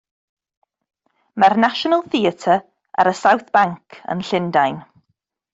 Mae'r National Theatre ar y South Bank yn Llundain.